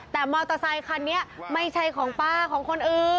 แต่มอเตอร์ไซคันนี้ไม่ใช่ของป้าของคนอื่น